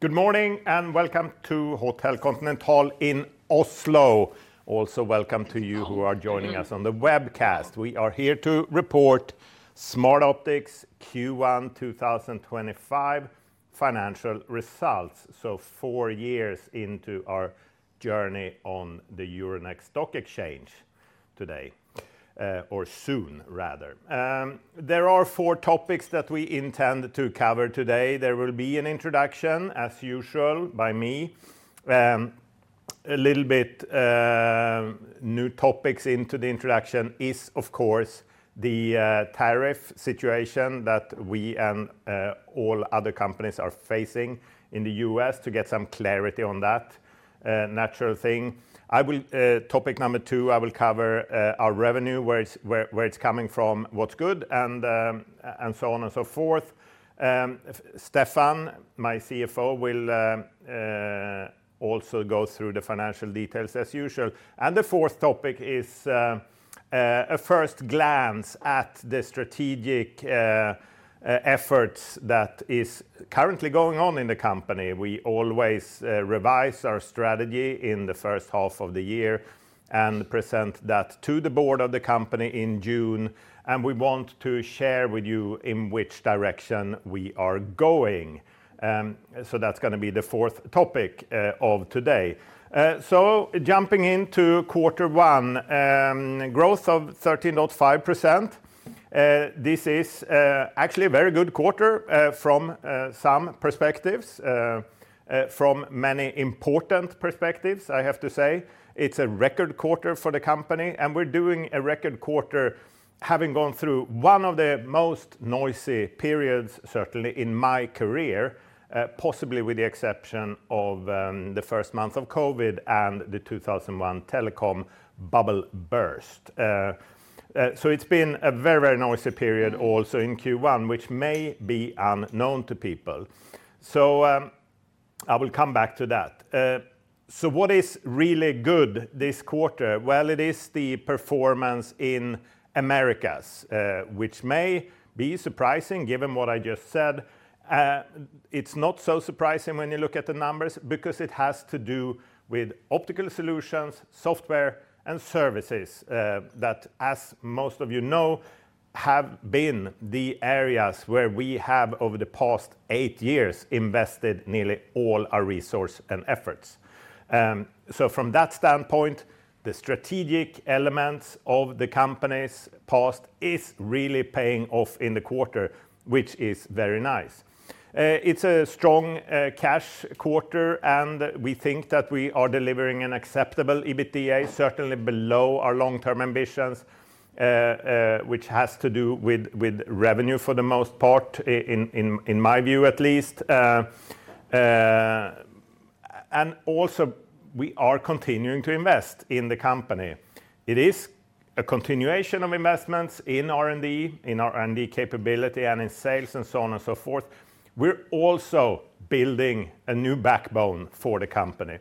Good morning and welcome to Hotel Continental in Oslo. Also, welcome to you who are joining us on the webcast. We are here to report Smartoptics Q1 2025 financial results. Four years into our journey on the Euronext Stock Exchange today, or soon rather. There are four topics that we intend to cover today. There will be an introduction, as usual, by me. A little bit new topics into the introduction is, of course, the tariff situation that we and all other companies are facing in the U.S., to get some clarity on that, a natural thing. Topic number two, I will cover our revenue, where it's coming from, what's good, and so on and so forth. Stefan, my CFO, will also go through the financial details as usual. The fourth topic is a first glance at the strategic efforts that are currently going on in the company. We always revise our strategy in the first half of the year and present that to the board of the company in June. We want to share with you in which direction we are going. That is going to be the fourth topic of today. Jumping into quarter one, growth of 13.5%. This is actually a very good quarter from some perspectives, from many important perspectives, I have to say. It is a record quarter for the company, and we are doing a record quarter, having gone through one of the most noisy periods, certainly in my career, possibly with the exception of the first month of COVID and the 2001 telecom bubble burst. It has been a very, very noisy period also in Q1, which may be unknown to people. I will come back to that. What is really good this quarter? It is the performance in Americas, which may be surprising given what I just said. It's not so surprising when you look at the numbers because it has to do with Optical solutions, software, and services that, as most of you know, have been the areas where we have over the past eight years invested nearly all our resources and efforts. From that standpoint, the strategic elements of the company's past is really paying off in the quarter, which is very nice. It's a strong cash quarter, and we think that we are delivering an acceptable EBITDA, certainly below our long-term ambitions, which has to do with revenue for the most part, in my view at least. Also, we are continuing to invest in the company. It is a continuation of investments in R&D, in our R&D capability, and in sales, and so on and so forth. We're also building a new backbone for the company.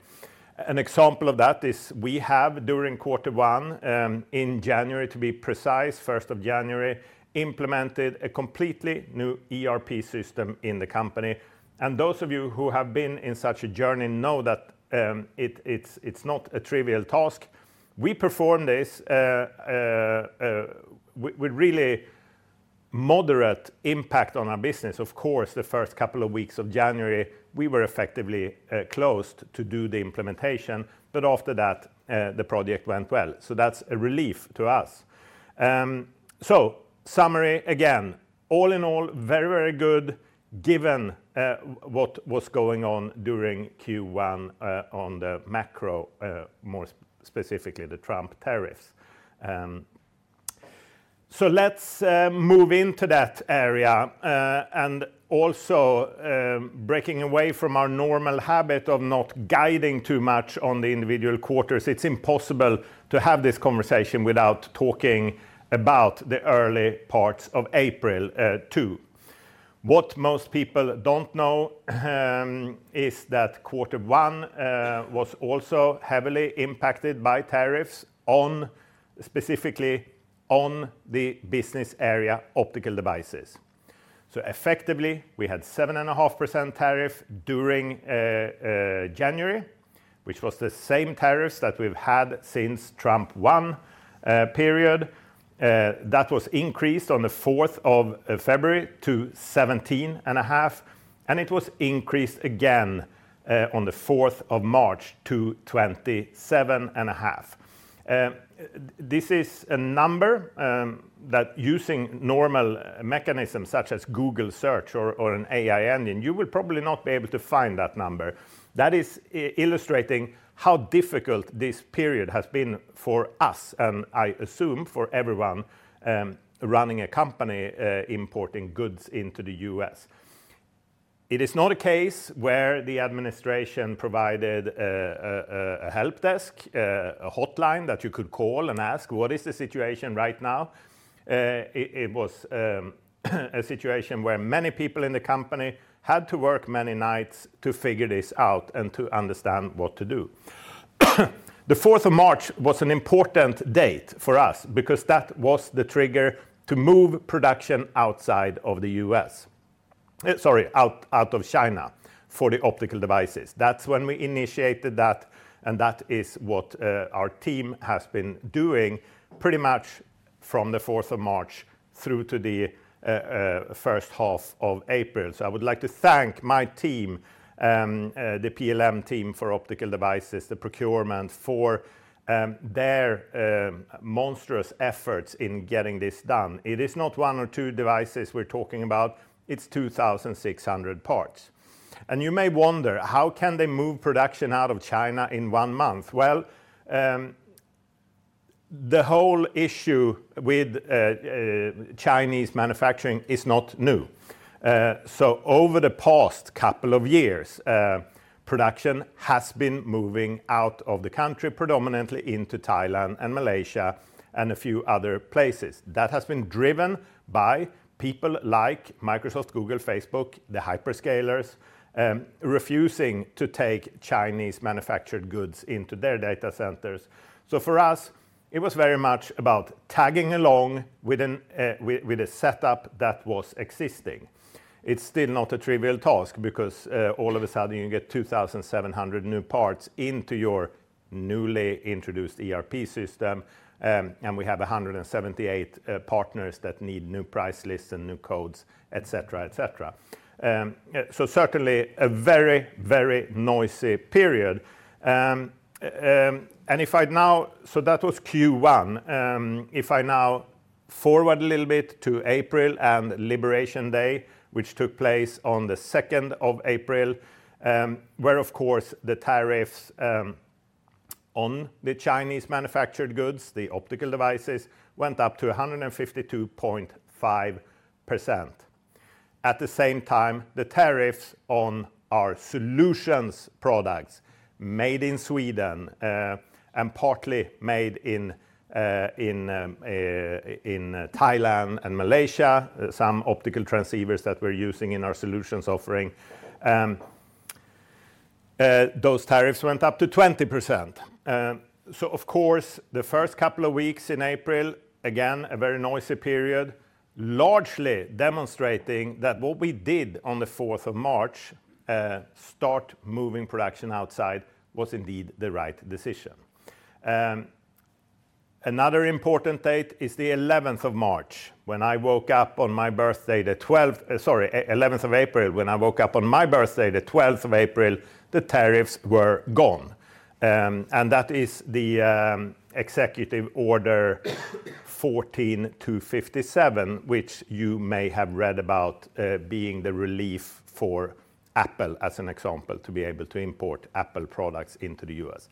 An example of that is we have, during quarter one, in January, to be precise, first of January, implemented a completely new ERP system in the company. And those of you who have been in such a journey know that it's not a trivial task. We performed this with really moderate impact on our business. Of course, the first couple of weeks of January, we were effectively closed to do the implementation, but after that, the project went well. That's a relief to us. Summary again, all in all, very, very good given what was going on during Q1 on the macro, more specifically the Trump tariffs. Let's move into that area. Also, breaking away from our normal habit of not guiding too much on the individual quarters, it's impossible to have this conversation without talking about the early parts of April too. What most people don't know is that quarter one was also heavily impacted by tariffs, specifically on the business area Optical devices. Effectively, we had a 7.5% tariff during January, which was the same tariffs that we've had since Trump won. That was increased on the 4th of February to 17.5%, and it was increased again on the 4th of March to 27.5%. This is a number that, using normal mechanisms such as Google search or an AI engine, you will probably not be able to find that number. That is illustrating how difficult this period has been for us, and I assume for everyone running a company importing goods into the U.S. It is not a case where the administration provided a help desk, a hotline that you could call and ask, what is the situation right now? It was a situation where many people in the company had to work many nights to figure this out and to understand what to do. The 4th of March was an important date for us because that was the trigger to move production outside of China for the Optical devices. That is when we initiated that, and that is what our team has been doing pretty much from the 4th of March through to the first half of April. I would like to thank my team, the PLM team for Optical devices, the procurement for their monstrous efforts in getting this done. It is not one or two devices we are talking about. It is 2,600 parts. You may wonder, how can they move production out of China in one month? The whole issue with Chinese manufacturing is not new. Over the past couple of years, production has been moving out of the country, predominantly into Thailand and Malaysia and a few other places. That has been driven by people like Microsoft, Google, Facebook, the hyperscalers, refusing to take Chinese manufactured goods into their data centers. For us, it was very much about tagging along with a setup that was existing. It is still not a trivial task because all of a sudden you get 2,700 new parts into your newly introduced ERP system, and we have 178 partners that need new price lists and new codes, et cetera, et cetera. Certainly a very, very noisy period. If I now, so that was Q1. If I now forward a little bit to April and Liberation Day, which took place on the 2nd of April, where, of course, the tariffs on the Chinese manufactured goods, the optical devices, went up to 152.5%. At the same time, the tariffs on our solutions products made in Sweden and partly made in Thailand and Malaysia, some optical transceivers that we're using in our solutions offering, those tariffs went up to 20%. Of course, the first couple of weeks in April, again, a very noisy period, largely demonstrating that what we did on the 4th of March, start moving production outside, was indeed the right decision. Another important date is the 11th of March. When I woke up on my birthday, the 12th, sorry, 11th of April, when I woke up on my birthday, the 12th of April, the tariffs were gone. That is the Executive Order 14257, which you may have read about being the relief for Apple, as an example, to be able to import Apple products into the U.S.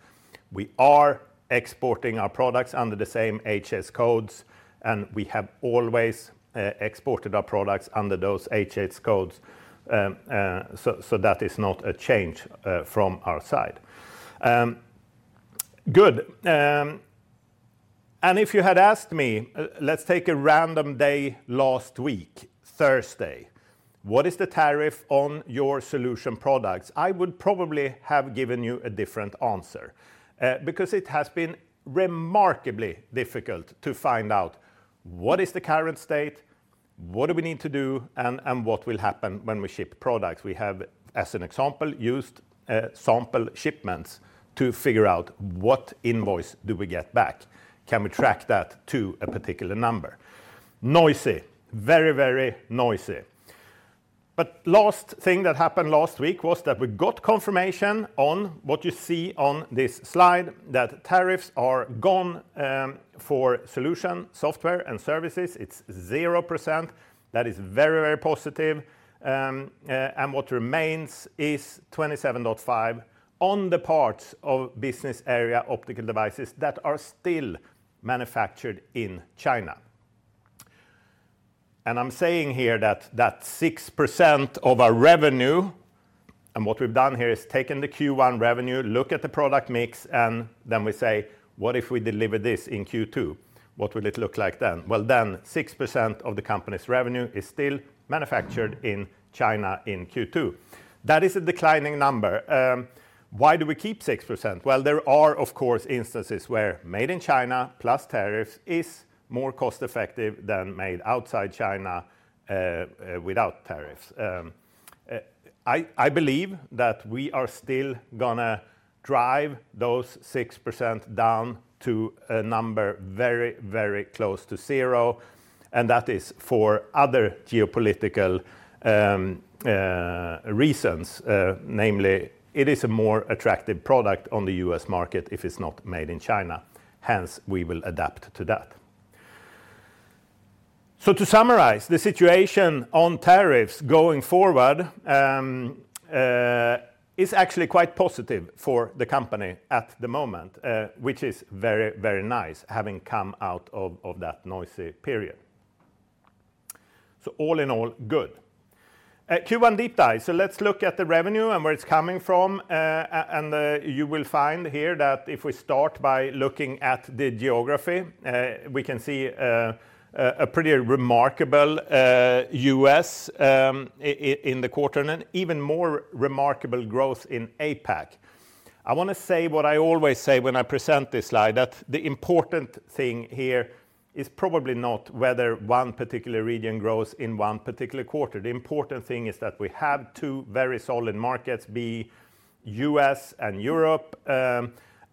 We are exporting our products under the same HS codes, and we have always exported our products under those HS codes. That is not a change from our side. Good. If you had asked me, let's take a random day last week, Thursday, what is the tariff on your solution products, I would probably have given you a different answer because it has been remarkably difficult to find out what is the current state, what do we need to do, and what will happen when we ship products. We have, as an example, used sample shipments to figure out what invoice do we get back. Can we track that to a particular number? Noisy, very, very noisy. Last thing that happened last week was that we got confirmation on what you see on this slide, that tariffs are gone for solution software and services. It is 0%. That is very, very positive. What remains is 27.5% on the parts of business area optical devices that are still manufactured in China. I am saying here that that is 6% of our revenue, and what we have done here is taken the Q1 revenue, looked at the product mix, and then we say, what if we deliver this in Q2? What will it look like then? 6% of the company's revenue is still manufactured in China in Q2. That is a declining number. Why do we keep 6%? There are, of course, instances where made in China plus tariffs is more cost-effective than made outside China without tariffs. I believe that we are still going to drive those 6% down to a number very, very close to zero. That is for other geopolitical reasons, namely, it is a more attractive product on the U.S. market if it's not made in China. Hence, we will adapt to that. To summarize, the situation on tariffs going forward is actually quite positive for the company at the moment, which is very, very nice having come out of that noisy period. All in all, good. Q1 deep dive. Let's look at the revenue and where it's coming from. You will find here that if we start by looking at the geography, we can see a pretty remarkable U.S. in the quarter and even more remarkable growth in APAC. I want to say what I always say when I present this slide, that the important thing here is probably not whether one particular region grows in one particular quarter. The important thing is that we have two very solid markets, be U.S. and Europe,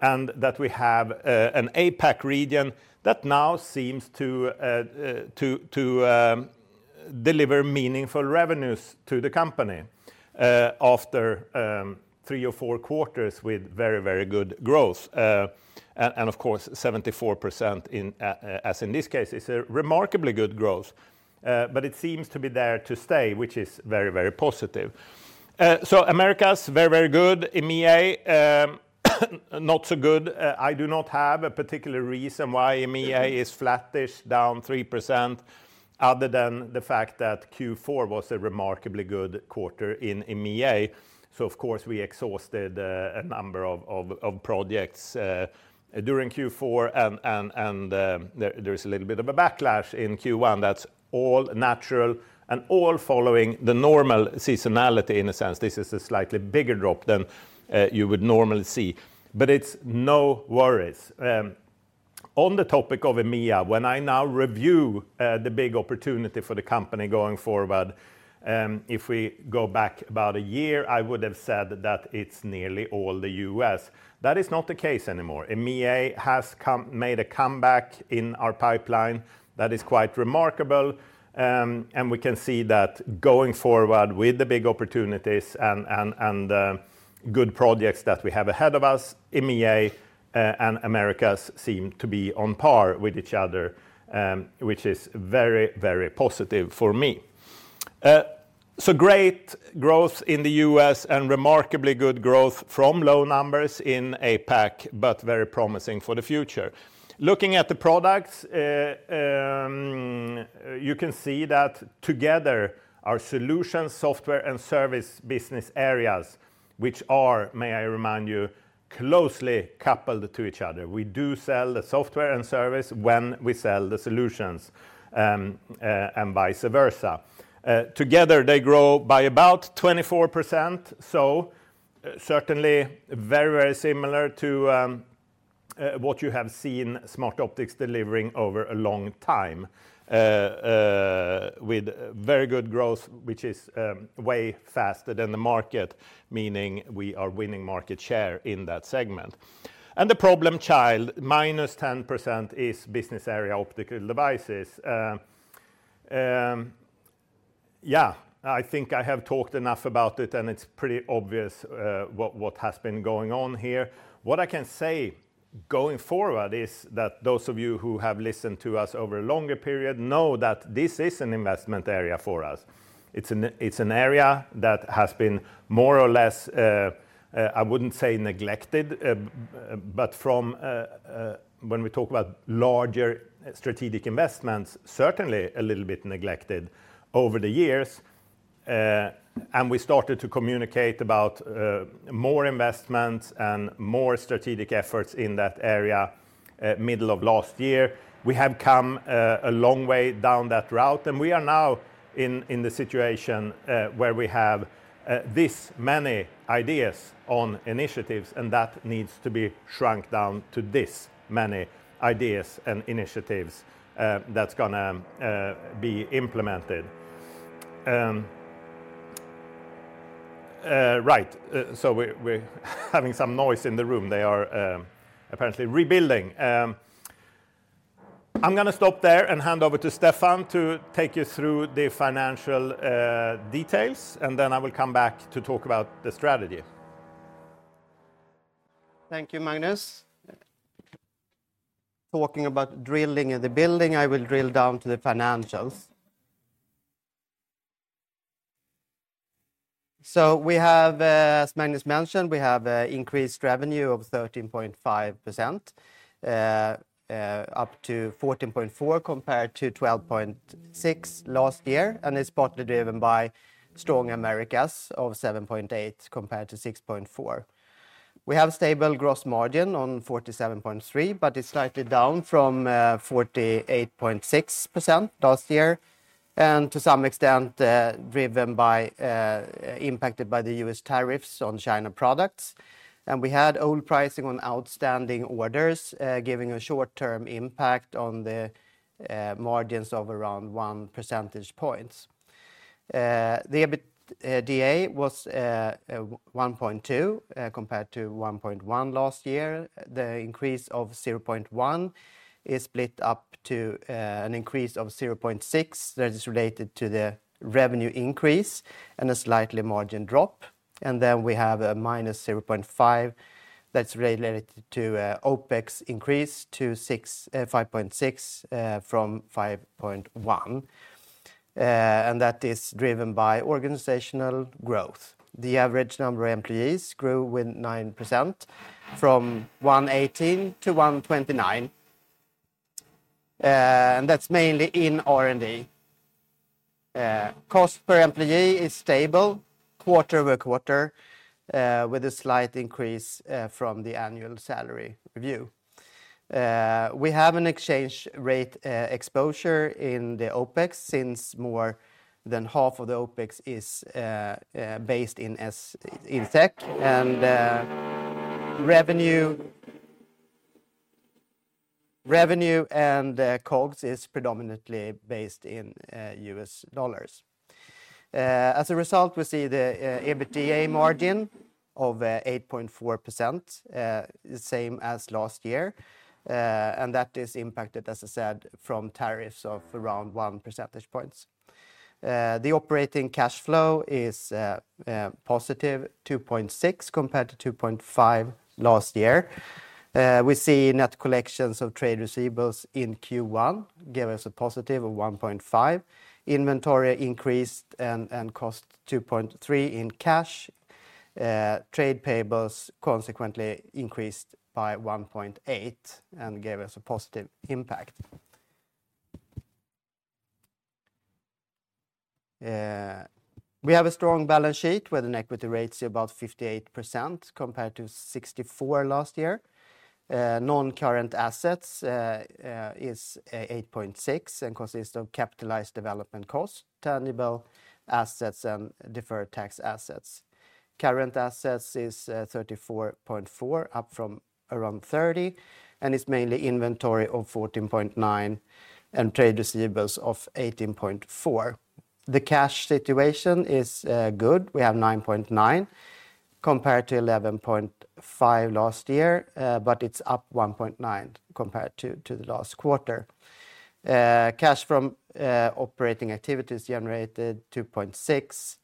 and that we have an APAC region that now seems to deliver meaningful revenues to the company after three or four quarters with very, very good growth. Of course, 74%, as in this case, is a remarkably good growth, but it seems to be there to stay, which is very, very positive. America's very, very good. EMEA, not so good. I do not have a particular reason why EMEA is flattish down 3% other than the fact that Q4 was a remarkably good quarter in EMEA. Of course, we exhausted a number of projects during Q4, and there is a little bit of a backlash in Q1. That's all natural and all following the normal seasonality in a sense. This is a slightly bigger drop than you would normally see, but it's no worries. On the topic of EMEA, when I now review the big opportunity for the company going forward, if we go back about a year, I would have said that it's nearly all the U.S. That is not the case anymore. EMEA has made a comeback in our pipeline. That is quite remarkable. We can see that going forward with the big opportunities and good projects that we have ahead of us, EMEA and Americas seem to be on par with each other, which is very, very positive for me. Great growth in the U.S. and remarkably good growth from low numbers in APAC, but very promising for the future. Looking at the products, you can see that together our solutions, software, and service business areas, which are, may I remind you, closely coupled to each other. We do sell the software and service when we sell the solutions and vice versa. Together, they grow by about 24%. Certainly very, very similar to what you have seen Smartoptics delivering over a long time with very good growth, which is way faster than the market, meaning we are winning market share in that segment. The problem child, minus 10%, is business area optical devices. I think I have talked enough about it, and it is pretty obvious what has been going on here. What I can say going forward is that those of you who have listened to us over a longer period know that this is an investment area for us. It's an area that has been more or less, I wouldn't say neglected, but from when we talk about larger strategic investments, certainly a little bit neglected over the years. We started to communicate about more investments and more strategic efforts in that area middle of last year. We have come a long way down that route, and we are now in the situation where we have this many ideas on initiatives, and that needs to be shrunk down to this many ideas and initiatives that's going to be implemented. Right. We are having some noise in the room. They are apparently rebuilding. I'm going to stop there and hand over to Stefan to take you through the financial details, and then I will come back to talk about the strategy. Thank you, Magnus. Talking about drilling and the building, I will drill down to the financials. We have, as Magnus mentioned, increased revenue of 13.5% up to 14.4% compared to 12.6% last year, and it's partly driven by strong Americas of 7.8% compared to 6.4%. We have stable gross margin on 47.3%, but it's slightly down from 48.6% last year, and to some extent driven by impacted by the U.S. tariffs on China products. We had old pricing on outstanding orders giving a short-term impact on the margins of around 1 percentage point. The EBITDA was 1.2% compared to 1.1% last year. The increase of 0.1% is split up to an increase of 0.6% that is related to the revenue increase and a slight margin drop. Then we have a minus 0.5% that's related to OpEx increase to 5.6% from 5.1%. That is driven by organizational growth. The average number of employees grew by 9% from 118 to 129. That's mainly in R&D. Cost per employee is stable, quarter over quarter, with a slight increase from the annual salary review. We have an exchange rate exposure in the OpEx since more than half of the OpEx is based in SEK, and revenue and COGS is predominantly based in U.S. dollars. As a result, we see the EBITDA margin of 8.4%, the same as last year, and that is impacted, as I said, from tariffs of around 1 percentage point. The operating cash flow is positive, 2.6% compared to 2.5% last year. We see net collections of trade receivables in Q1 give us a positive of 1.5%. Inventory increased and cost 2.3% in cash. Trade payables consequently increased by 1.8% and gave us a positive impact. We have a strong balance sheet with an equity ratio of about 58% compared to 64% last year. Non-current assets is 8.6% and consists of capitalized development costs, tangible assets, and deferred tax assets. Current assets is 34.4%, up from around 30%, and it's mainly inventory of 14.9% and trade receivables of 18.4%. The cash situation is good. We have 9.9% compared to 11.5% last year, but it's up 1.9% compared to the last quarter. Cash from operating activities generated 2.6%,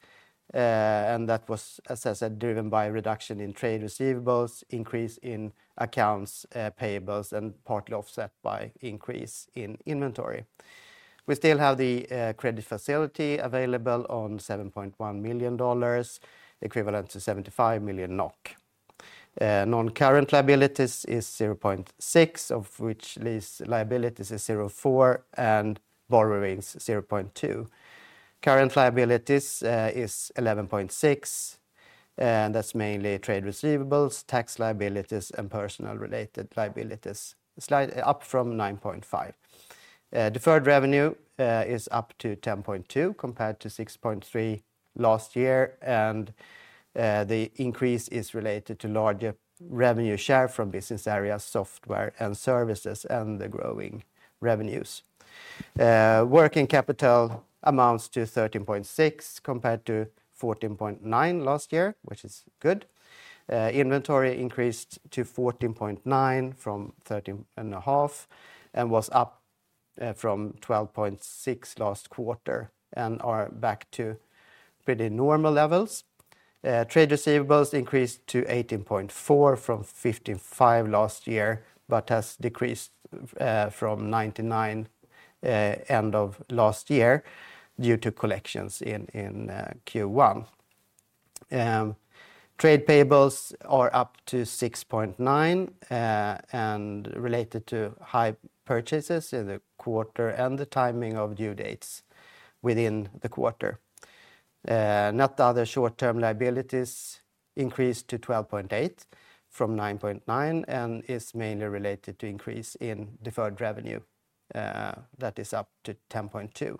and that was, as I said, driven by a reduction in trade receivables, increase in accounts payables, and partly offset by increase in inventory. We still have the credit facility available on $7.1 million, equivalent to 75 million NOK. Non-current liabilities is 0.6%, of which lease liabilities is 0.4% and borrowings 0.2%. Current liabilities is 11.6%, and that's mainly trade receivables, tax liabilities, and personnel related liabilities, up from 9.5%. Deferred revenue is up to 10.2% compared to 6.3% last year, and the increase is related to larger revenue share from business area, software, and services, and the growing revenues. Working capital amounts to 13.6% compared to 14.9% last year, which is good. Inventory increased to 14.9% from 13.5% and was up from 12.6% last quarter and are back to pretty normal levels. Trade receivables increased to 18.4% from 15.5% last year, but has decreased from 19.9% end of last year due to collections in Q1. Trade payables are up to 6.9% and related to high purchases in the quarter and the timing of due dates within the quarter. Net other short-term liabilities increased to 12.8% from 9.9% and is mainly related to increase in deferred revenue that is up to 10.2%.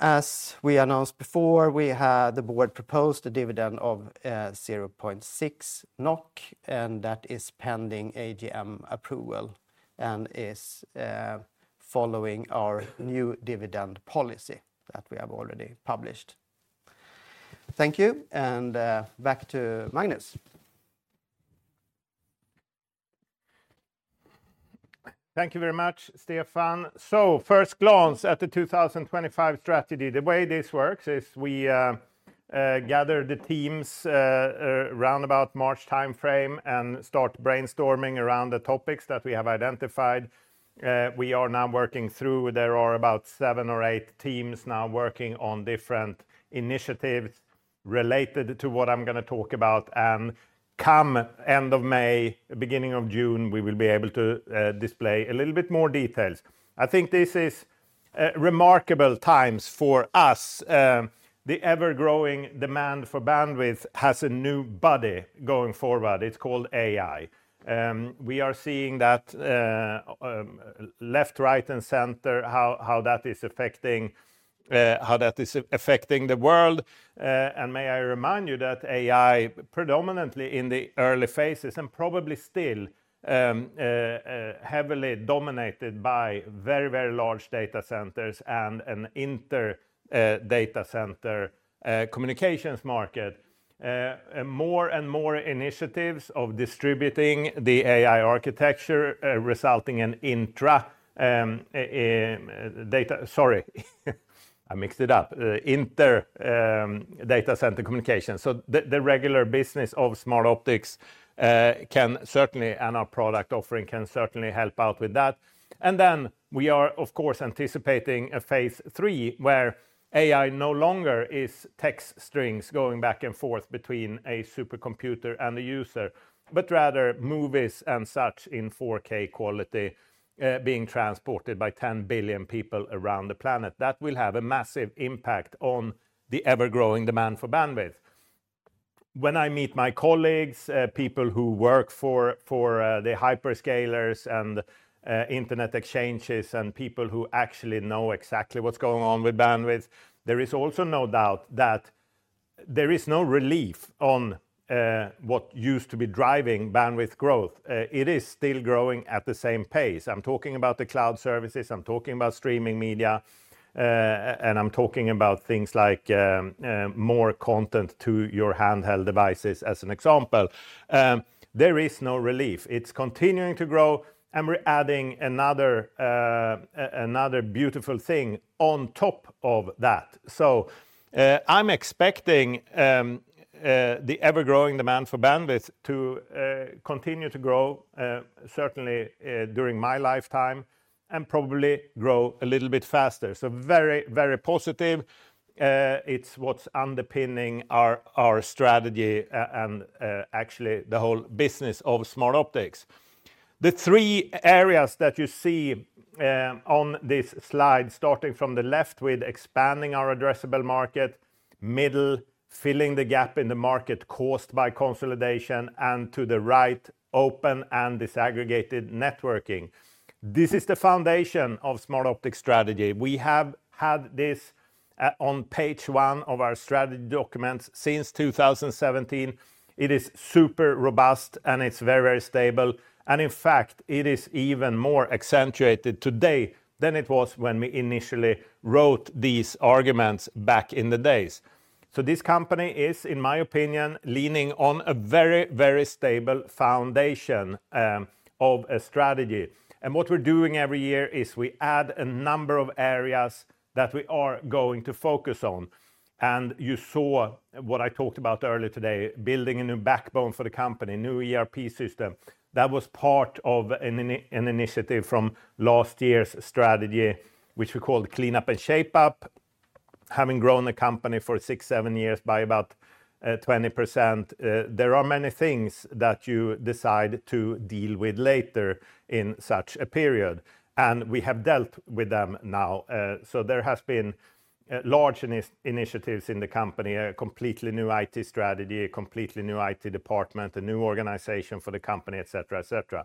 As we announced before, the board proposed a dividend of 0.6 NOK, and that is pending AGM approval and is following our new dividend policy that we have already published. Thank you, and back to Magnus. Thank you very much, Stefan. First glance at the 2025 strategy, the way this works is we gather the teams around about March timeframe and start brainstorming around the topics that we have identified. We are now working through, there are about seven or eight teams now working on different initiatives related to what I'm going to talk about, and come end of May, beginning of June, we will be able to display a little bit more details. I think this is remarkable times for us. The ever-growing demand for bandwidth has a new body going forward. It's called AI. We are seeing that left, right, and center, how that is affecting the world. May I remind you that AI, predominantly in the early phases and probably still heavily dominated by very, very large data centers and an inter-data center communications market, more and more initiatives of distributing the AI architecture resulting in intra-data, sorry, I mixed it up, inter-data center communications. The regular business of Smartoptics can certainly, and our product offering can certainly help out with that. We are, of course, anticipating a phase three where AI no longer is text strings going back and forth between a supercomputer and a user, but rather movies and such in 4K quality being transported by 10 billion people around the planet. That will have a massive impact on the ever-growing demand for bandwidth. When I meet my colleagues, people who work for the hyperscalers and internet exchanges and people who actually know exactly what's going on with bandwidth, there is also no doubt that there is no relief on what used to be driving bandwidth growth. It is still growing at the same pace. I'm talking about the cloud services, I'm talking about streaming media, and I'm talking about things like more content to your handheld devices as an example. There is no relief. It's continuing to grow, and we're adding another beautiful thing on top of that. I'm expecting the ever-growing demand for bandwidth to continue to grow, certainly during my lifetime, and probably grow a little bit faster. Very, very positive. It's what's underpinning our strategy and actually the whole business of Smartoptics. The three areas that you see on this slide, starting from the left with expanding our addressable market, middle, filling the gap in the market caused by consolidation, and to the right, open and disaggregated networking. This is the foundation of Smartoptics strategy. We have had this on page one of our strategy documents since 2017. It is super robust, and it's very, very stable. In fact, it is even more accentuated today than it was when we initially wrote these arguments back in the days. This company is, in my opinion, leaning on a very, very stable foundation of a strategy. What we're doing every year is we add a number of areas that we are going to focus on. You saw what I talked about earlier today, building a new backbone for the company, new ERP system. That was part of an initiative from last year's strategy, which we called Clean Up and Shape Up. Having grown the company for six, seven years by about 20%, there are many things that you decide to deal with later in such a period. We have dealt with them now. There have been large initiatives in the company, a completely new IT strategy, a completely new IT department, a new organization for the company, et cetera, et cetera.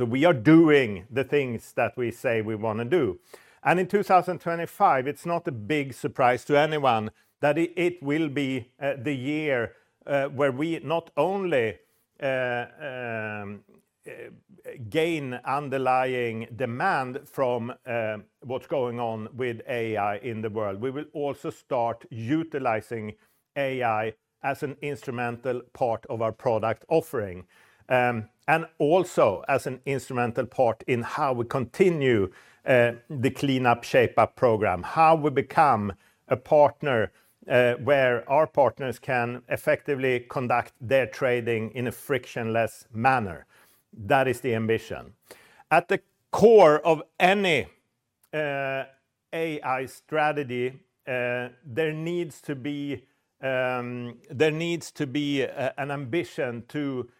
We are doing the things that we say we want to do. In 2025, it's not a big surprise to anyone that it will be the year where we not only gain underlying demand from what's going on with AI in the world. We will also start utilizing AI as an instrumental part of our product offering and also as an instrumental part in how we continue the Clean Up Shape Up program, how we become a partner where our partners can effectively conduct their trading in a frictionless manner. That is the ambition. At the core of any AI strategy, there needs to be an ambition to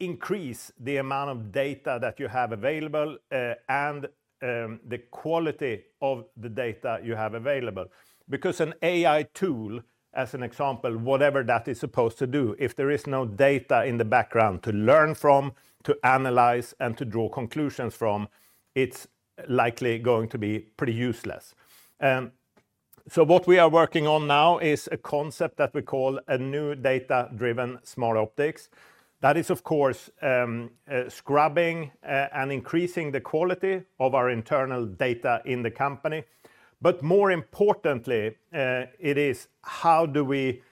increase the amount of data that you have available and the quality of the data you have available. Because an AI tool, as an example, whatever that is supposed to do, if there is no data in the background to learn from, to analyze, and to draw conclusions from, it's likely going to be pretty useless. What we are working on now is a concept that we call a new data-driven Smartoptics. That is, of course, scrubbing and increasing the quality of our internal data in the company. More importantly, it is how do we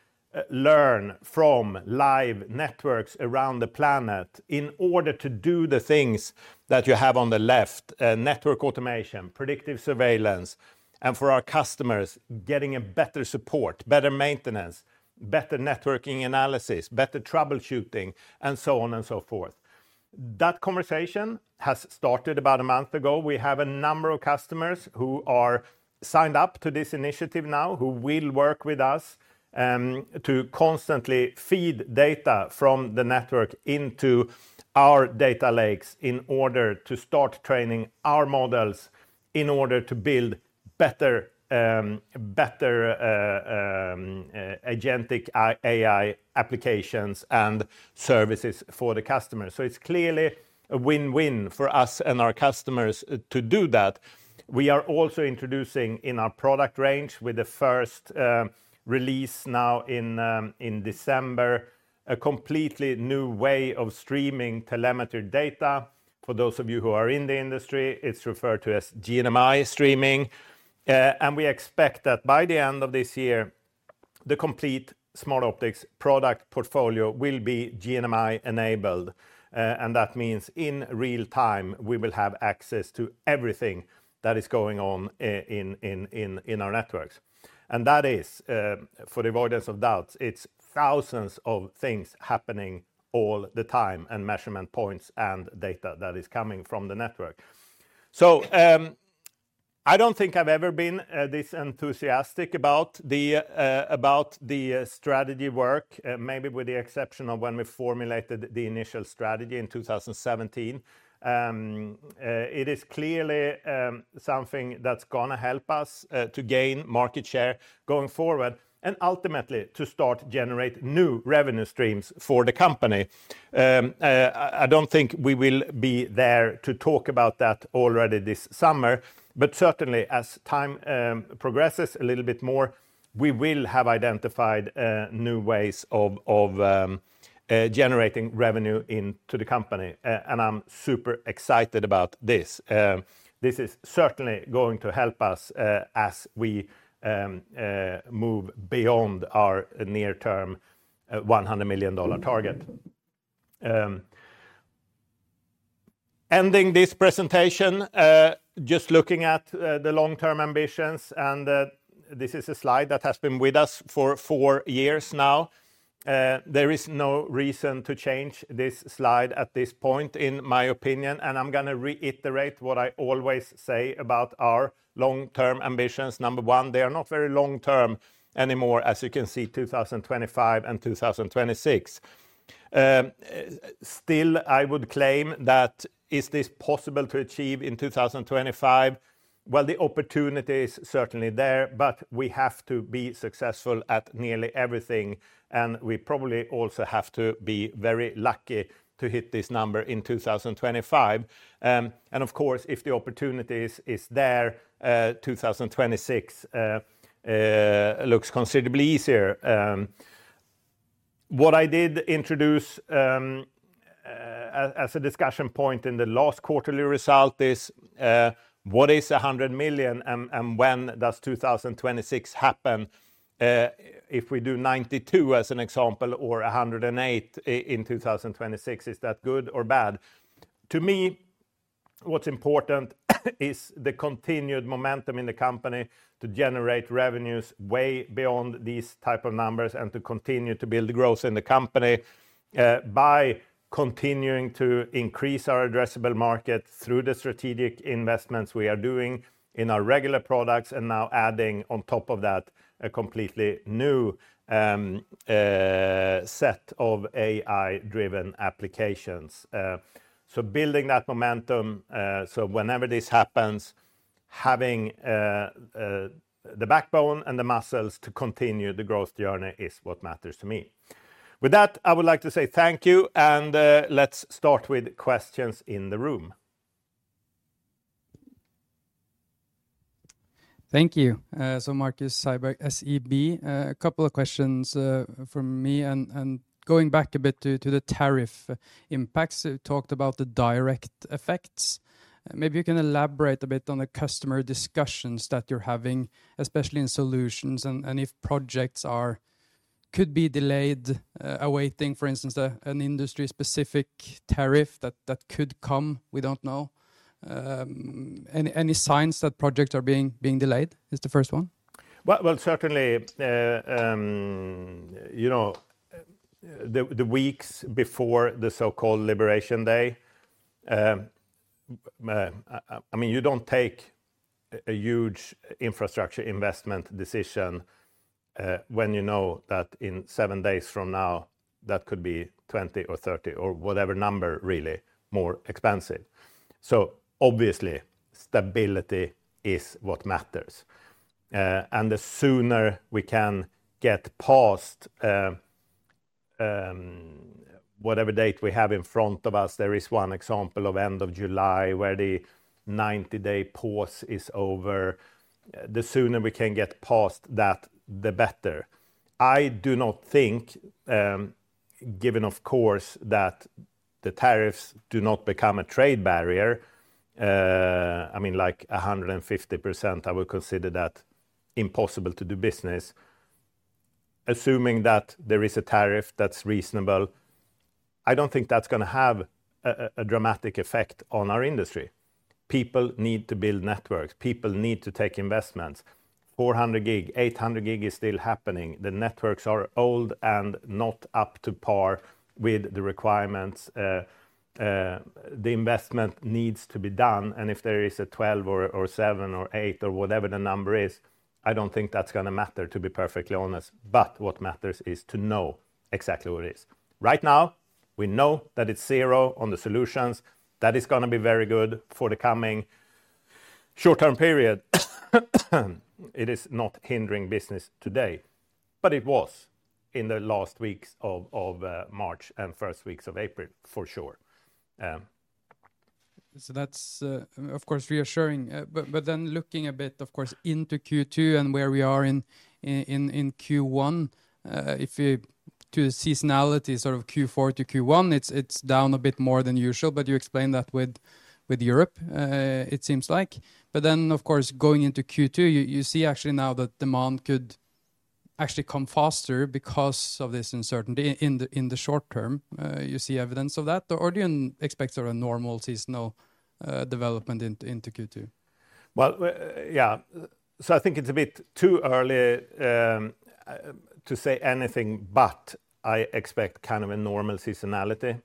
learn from live networks around the planet in order to do the things that you have on the left, network automation, predictive surveillance, and for our customers, getting better support, better maintenance, better networking analysis, better troubleshooting, and so on and so forth. That conversation has started about a month ago. We have a number of customers who are signed up to this initiative now, who will work with us to constantly feed data from the network into our data lakes in order to start training our models in order to build better agentic AI applications and services for the customers. It is clearly a win-win for us and our customers to do that. We are also introducing in our product range with the first release now in December, a completely new way of streaming telemetry data. For those of you who are in the industry, it is referred to as GNMI streaming. We expect that by the end of this year, the complete Smartoptics product portfolio will be GNMI enabled. That means in real time, we will have access to everything that is going on in our networks. For the avoidance of doubts, it's thousands of things happening all the time and measurement points and data that is coming from the network. I don't think I've ever been this enthusiastic about the strategy work, maybe with the exception of when we formulated the initial strategy in 2017. It is clearly something that's going to help us to gain market share going forward and ultimately to start generating new revenue streams for the company. I don't think we will be there to talk about that already this summer, but certainly as time progresses a little bit more, we will have identified new ways of generating revenue into the company. I'm super excited about this. This is certainly going to help us as we move beyond our near-term $100 million target. Ending this presentation, just looking at the long-term ambitions, and this is a slide that has been with us for four years now. There is no reason to change this slide at this point, in my opinion, and I'm going to reiterate what I always say about our long-term ambitions. Number one, they are not very long-term anymore, as you can see, 2025 and 2026. Still, I would claim that is this possible to achieve in 2025? The opportunity is certainly there, but we have to be successful at nearly everything, and we probably also have to be very lucky to hit this number in 2025. Of course, if the opportunity is there, 2026 looks considerably easier. What I did introduce as a discussion point in the last quarterly result is, what is 100 million and when does 2026 happen? If we do 92 as an example or 108 in 2026, is that good or bad? To me, what's important is the continued momentum in the company to generate revenues way beyond these types of numbers and to continue to build the growth in the company by continuing to increase our addressable market through the strategic investments we are doing in our regular products and now adding on top of that a completely new set of AI-driven applications. Building that momentum, whenever this happens, having the backbone and the muscles to continue the growth journey is what matters to me. With that, I would like to say thank you, and let's start with questions in the room. Thank you. Markus Heiberg, SEB, a couple of questions from me. Going back a bit to the tariff impacts, you talked about the direct effects. Maybe you can elaborate a bit on the customer discussions that you're having, especially in solutions, and if projects could be delayed, awaiting, for instance, an industry-specific tariff that could come. We don't know. Any signs that projects are being delayed is the first one? Certainly, you know, the weeks before the so-called liberation day, I mean, you don't take a huge infrastructure investment decision when you know that in seven days from now, that could be 20 or 30 or whatever number really more expensive. Obviously, stability is what matters. The sooner we can get past whatever date we have in front of us, there is one example of the end of July where the 90-day pause is over, the sooner we can get past that, the better. I do not think, given of course that the tariffs do not become a trade barrier, I mean, like 150%, I would consider that impossible to do business. Assuming that there is a tariff that's reasonable, I don't think that's going to have a dramatic effect on our industry. People need to build networks. People need to take investments. 400 gig, 800 gig is still happening. The networks are old and not up to par with the requirements. The investment needs to be done. If there is a 12% or 7% or 8% or whatever the number is, I don't think that's going to matter, to be perfectly honest. What matters is to know exactly what it is. Right now, we know that it's zero on the solutions. That is going to be very good for the coming short-term period. It is not hindering business today, but it was in the last weeks of March and first weeks of April, for sure. That is of course reassuring. Looking a bit, of course, into Q2 and where we are in Q1, if you look to the seasonality, sort of Q4 to Q1, it is down a bit more than usual, but you explain that with Europe, it seems like. Of course, going into Q2, you see actually now that demand could actually come faster because of this uncertainty in the short term. Do you see evidence of that, or do you expect sort of normal seasonal development into Q2? I think it is a bit too early to say anything, but I expect kind of a normal seasonality.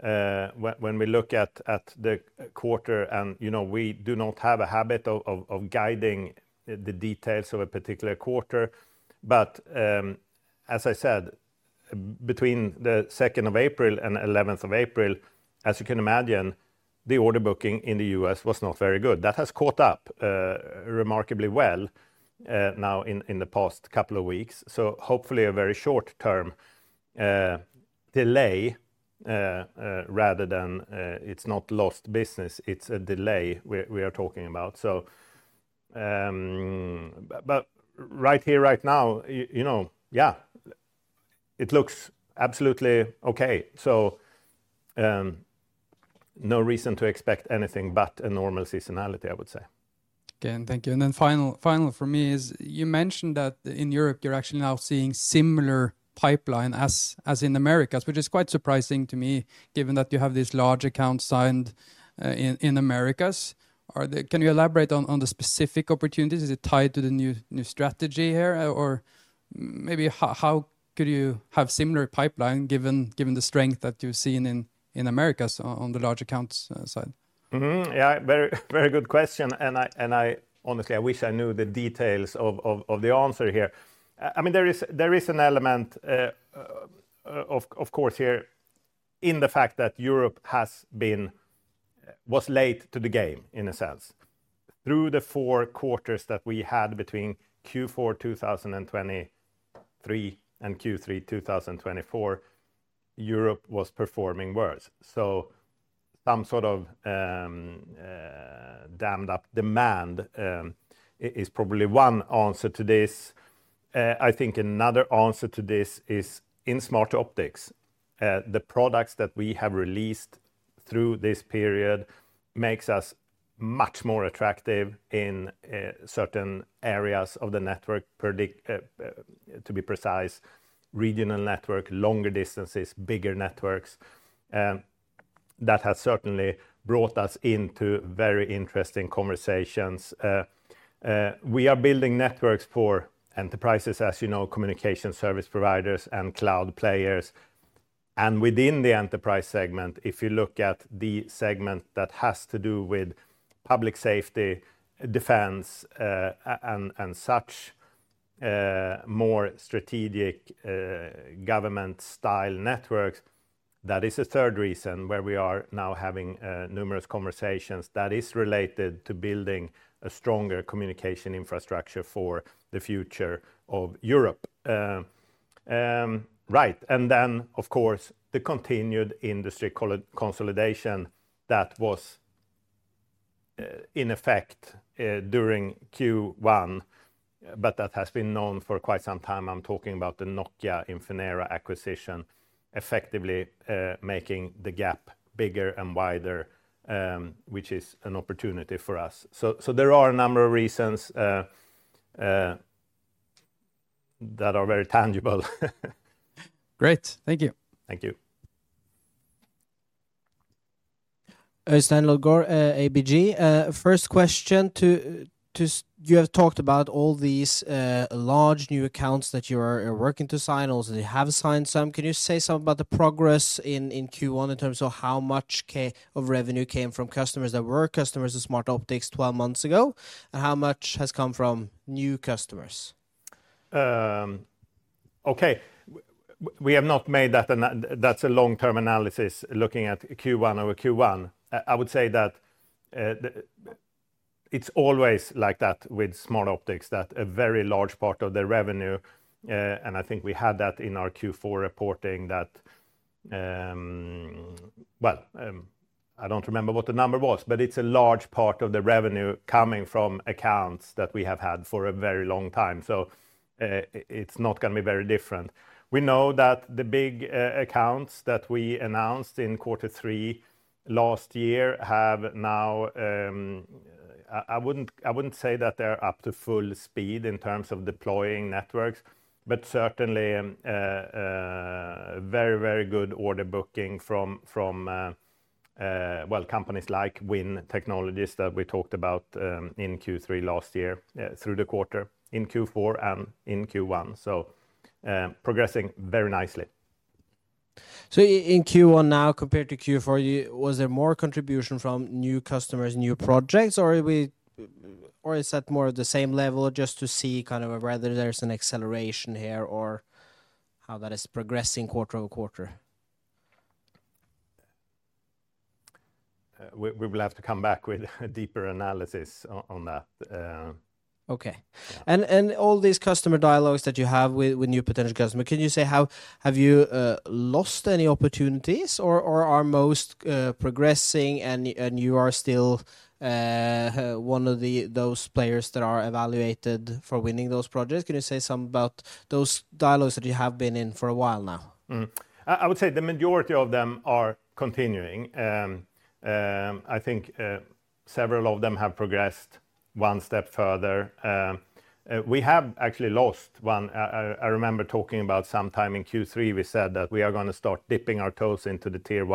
When we look at the quarter, and you know, we do not have a habit of guiding the details of a particular quarter. As I said, between the 2nd of April and 11th of April, as you can imagine, the order booking in the U.S. was not very good. That has caught up remarkably well now in the past couple of weeks. Hopefully, a very short-term delay rather than it's not lost business, it's a delay we are talking about. Right here, right now, you know, yeah, it looks absolutely okay. No reason to expect anything but a normal seasonality, I would say. Okay, and thank you. Then final for me is you mentioned that in Europe, you're actually now seeing a similar pipeline as in Americas, which is quite surprising to me given that you have these large accounts signed in Americas. Can you elaborate on the specific opportunities? Is it tied to the new strategy here? Or maybe how could you have a similar pipeline given the strength that you've seen in Americas on the large accounts side? Yeah, very good question. I honestly, I wish I knew the details of the answer here. I mean, there is an element, of course, here in the fact that Europe has been was late to the game in a sense. Through the four quarters that we had between Q4 2023 and Q3 2024, Europe was performing worse. Some sort of dammed up demand is probably one answer to this. I think another answer to this is in Smartoptics, the products that we have released through this period makes us much more attractive in certain areas of the network, to be precise, regional network, longer distances, bigger networks. That has certainly brought us into very interesting conversations. We are building networks for enterprises, as you know, communication service providers and cloud players. Within the enterprise segment, if you look at the segment that has to do with public safety, defense, and such more strategic government-style networks, that is a third reason where we are now having numerous conversations that is related to building a stronger communication infrastructure for the future of Europe. Right. Of course, the continued industry consolidation that was in effect during Q1, but that has been known for quite some time. I'm talking about the Nokia Infinera acquisition, effectively making the gap bigger and wider, which is an opportunity for us. There are a number of reasons that are very tangible. Great. Thank you. Thank you. Oystein Lodgaard, ABG. First question to you. You have talked about all these large new accounts that you are working to sign, also you have signed some. Can you say something about the progress in Q1 in terms of how much of revenue came from customers that were customers of Smartoptics 12 months ago and how much has come from new customers? Okay. We have not made that, and that's a long-term analysis looking at Q1 over Q1. I would say that it's always like that with Smartoptics, that a very large part of the revenue, and I think we had that in our Q4 reporting, that, I do not remember what the number was, but it's a large part of the revenue coming from accounts that we have had for a very long time. It is not going to be very different. We know that the big accounts that we announced in quarter three last year have now, I wouldn't say that they're up to full speed in terms of deploying networks, but certainly very, very good order booking from companies like Win Technologies that we talked about in Q3 last year through the quarter in Q4 and in Q1. Progressing very nicely. In Q1 now compared to Q4, was there more contribution from new customers, new projects, or is that more of the same level just to see kind of whether there's an acceleration here or how that is progressing quarter over quarter? We will have to come back with a deeper analysis on that. Okay. All these customer dialogues that you have with new potential customers, can you say have you lost any opportunities or are most progressing and you are still one of those players that are evaluated for winning those projects? Can you say something about those dialogues that you have been in for a while now? I would say the majority of them are continuing. I think several of them have progressed one step further. We have actually lost one. I remember talking about sometime in Q3, we said that we are going to start dipping our toes into the Tier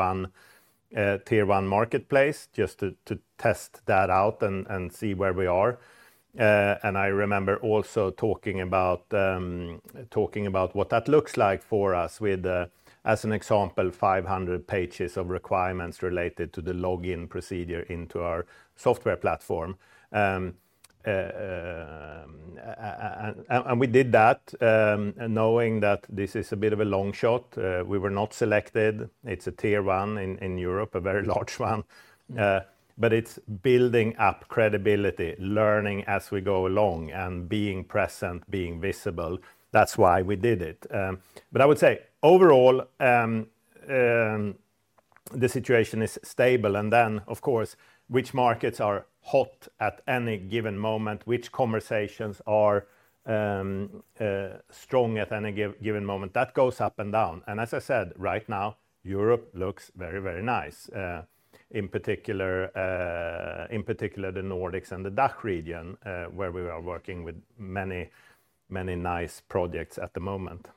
one marketplace just to test that out and see where we are. I remember also talking about what that looks like for us with, as an example, 500 pages of requirements related to the login procedure into our software platform. We did that knowing that this is a bit of a long shot. We were not selected. It is a Tier 1 in Europe, a very large one. It is building up credibility, learning as we go along and being present, being visible. That is why we did it. I would say overall, the situation is stable. Of course, which markets are hot at any given moment, which conversations are strong at any given moment, that goes up and down. As I said, right now, Europe looks very, very nice, in particular the Nordics and the DACH region where we are working with many, many nice projects at the moment.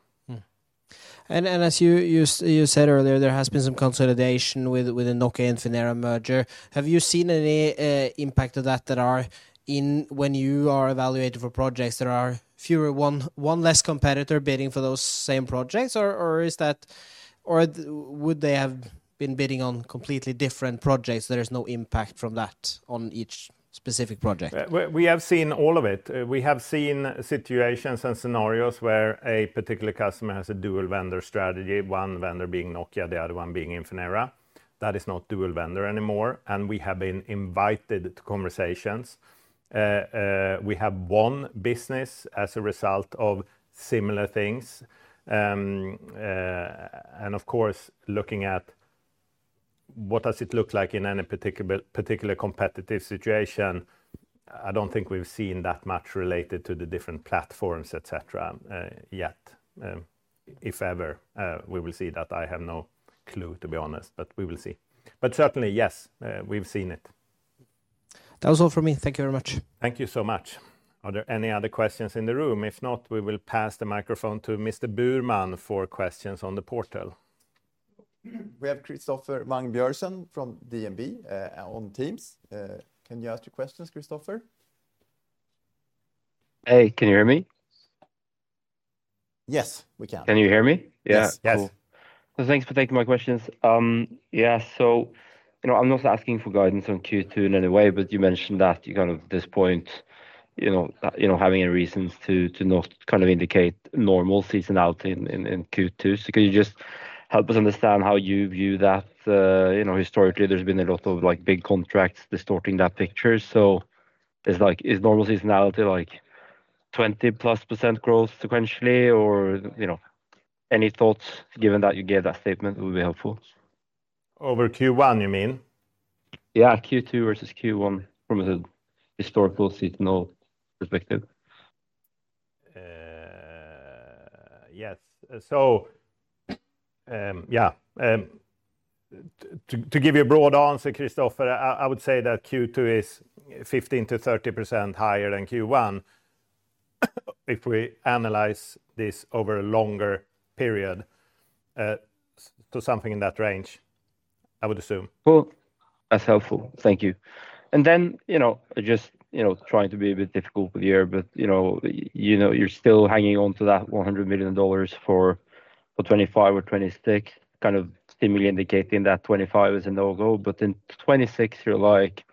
As you said earlier, there has been some consolidation with the Nokia Infinera merger. Have you seen any impact of that when you are evaluating for projects, that there are fewer, one less competitor bidding for those same projects, or would they have been bidding on completely different projects? There is no impact from that on each specific project. We have seen all of it. We have seen situations and scenarios where a particular customer has a dual vendor strategy, one vendor being Nokia, the other one being Infinera that is not a dual vendor anymore. We have been invited to conversations. We have won business as a result of similar things. Of course, looking at what does it look like in any particular competitive situation, I do not think we have seen that much related to the different platforms, et cetera, yet. If ever we will see that, I have no clue, to be honest, but we will see. Certainly, yes, we've seen it. That was all for me. Thank you very much. Thank you so much. Are there any other questions in the room? If not, we will pass the microphone to Mr. Burman for questions on the portal. We have Christoffer Wang Bjorsen from DNB on Teams. Can you ask your questions, Christoffer? Hey, can you hear me? Yes, we can. Can you hear me? Yes. Yes. Thanks for taking my questions. Yeah. You know, I'm not asking for guidance on Q2 in any way, but you mentioned that you kind of at this point, you know, having a reason to not kind of indicate normal seasonality in Q2. Could you just help us understand how you view that? You know, historically, there's been a lot of like big contracts distorting that picture. Is normal seasonality like 20% plus growth sequentially or, you know, any thoughts given that you gave that statement would be helpful? Over Q1, you mean? Yeah, Q2 versus Q1 from a historical seasonal perspective. Yes. Yeah, to give you a broad answer, Christoffer, I would say that Q2 is 15%-30% higher than Q1 if we analyze this over a longer period. Something in that range, I would assume. That's helpful. Thank you. You know, just, you know, trying to be a bit difficult with the year, but, you know, you're still hanging on to that $100 million for 2025 or 2026, kind of seemingly indicating that 2025 is a no-go. In 2026, you're like,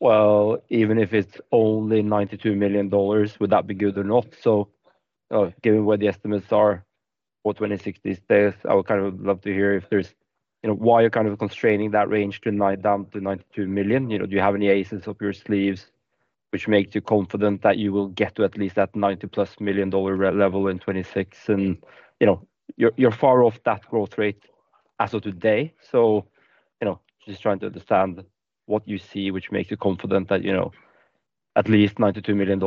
well, even if it's only $92 million, would that be good or not? Given where the estimates are for 2026 these days, I would kind of love to hear if there's, you know, why you're kind of constraining that range down to $92 million. You know, do you have any aces up your sleeves which make you confident that you will get to at least that $90 plus million level in 2026? You're far off that growth rate as of today. You know, just trying to understand what you see, which makes you confident that, you know, at least $92 million,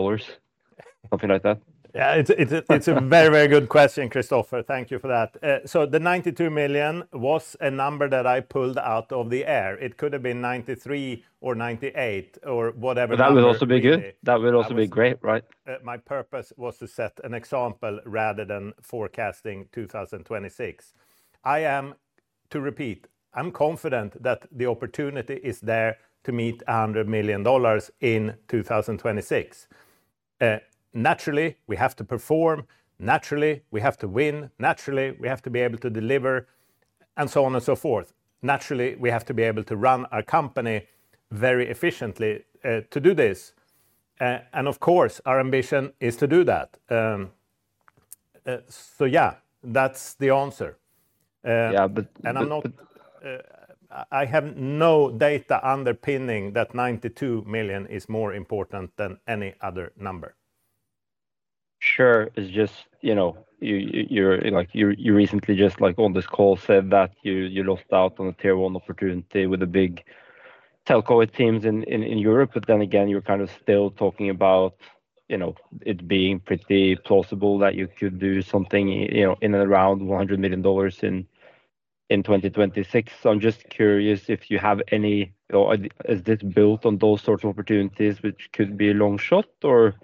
something like that. Yeah, it's a very, very good question, Christoffer. Thank you for that. The $92 million was a number that I pulled out of the air. It could have been $93 million or $98 million or whatever. That would also be good. That would also be great, right? My purpose was to set an example rather than forecasting 2026. I am, to repeat, I'm confident that the opportunity is there to meet $100 million in 2026. Naturally, we have to perform. Naturally, we have to win. Naturally, we have to be able to deliver and so on and so forth. Naturally, we have to be able to run our company very efficiently to do this. Of course, our ambition is to do that. Yeah, that's the answer. Yeah, but I have no data underpinning that $92 million is more important than any other number. Sure. It's just, you know, you recently just like on this call said that you lost out on a tier one opportunity with a big telco teams in Europe. But then again, you're kind of still talking about, you know, it being pretty plausible that you could do something, you know, in and around $100 million in 2026. I'm just curious if you have any, or is this built on those sorts of opportunities, which could be a long shot, or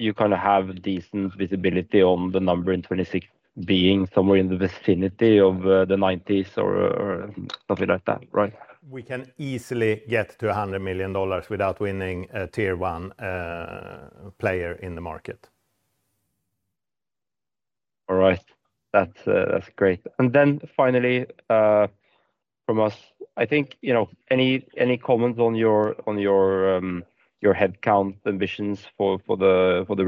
you kind of have decent visibility on the number in 2026 being somewhere in the vicinity of the 90s or something like that, right? We can easily get to $100 million without winning a tier one player in the market. All right. That's great. Finally, from us, I think, you know, any comments on your headcount ambitions for the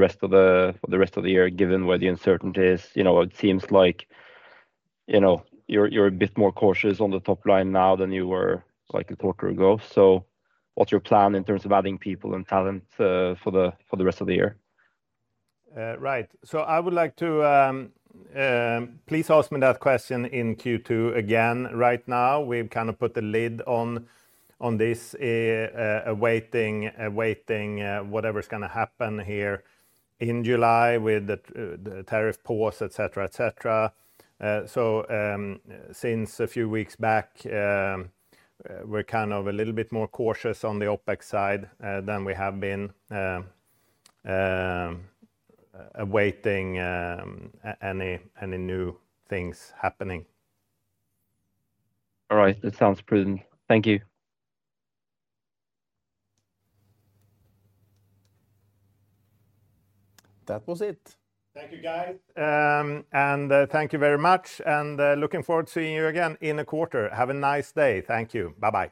rest of the year, given where the uncertainty is, you know, it seems like, you know, you're a bit more cautious on the top line now than you were like a quarter ago. What's your plan in terms of adding people and talent for the rest of the year? Right. I would like to please ask me that question in Q2 again. Right now, we've kind of put the lid on this, awaiting whatever's going to happen here in July with the tariff pause, et cetera, et cetera. Since a few weeks back, we're kind of a little bit more cautious on the OpEx side than we have been, awaiting any new things happening. All right. That sounds prudent. Thank you. That was it. Thank you, guys. Thank you very much. Looking forward to seeing you again in a quarter. Have a nice day. Thank you. Bye-bye.